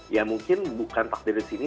ya mungkin bukan takdir di sini